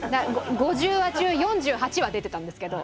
５０話中４８話出てたんですけど。